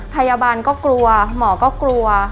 พยาบาลก็กลัวหมอก็กลัว